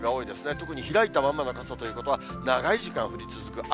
特に開いたままの傘ということは、長い時間降り続く雨。